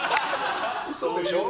嘘でしょ？